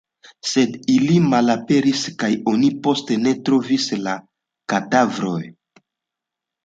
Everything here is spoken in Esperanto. Sed ili malaperis kaj oni poste ne trovis la kadavrojn.